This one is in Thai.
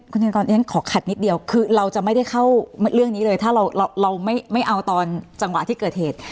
คุณธนกรขอขัดนิดเดียวคือเราจะไม่ได้เข้าเรื่องนี้เลยถ้าเราไม่เอาตอนจังหวะที่เกิดเหตุ